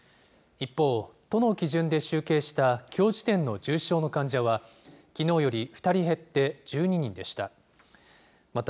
一方、都の基準で集計したきょう時点の重症の患者は、きのうより２人減って１２人でした。